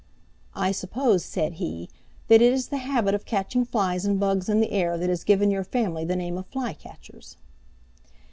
"I suppose," said he, "that it is the habit of catching flies and bugs in the air that has given your family the name of Flycatchers."